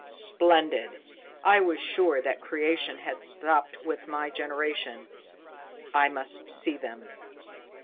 "Splendid! I was sure that creation had stopped with my generation. I must see them."